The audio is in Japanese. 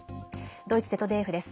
ドイツＺＤＦです。